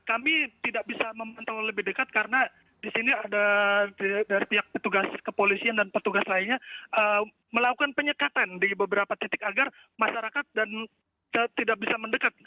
kami tidak bisa memantau lebih dekat karena di sini ada dari pihak petugas kepolisian dan petugas lainnya melakukan penyekatan di beberapa titik agar masyarakat dan tidak bisa mendekat